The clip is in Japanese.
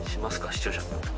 視聴者に。